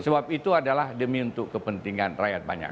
sebab itu adalah demi untuk kepentingan rakyat banyak